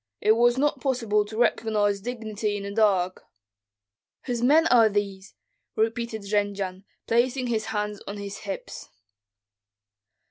It was not possible to recognize dignity in the dark." "Whose men are these?" repeated Jendzian, placing his hands on his hips.